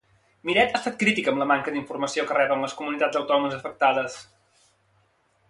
Miret ha estat crític amb la manca d'informació que reben les comunitats autònomes afectades.